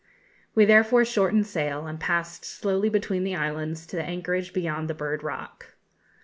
We therefore shortened sail, and passed slowly between the islands to the anchorage beyond the Bird Rock.